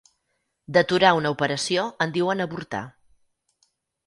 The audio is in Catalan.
D'aturar una operació en diuen avortar.